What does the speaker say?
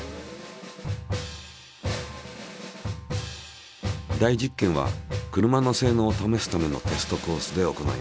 大実験は車の性能を試すためのテストコースで行います。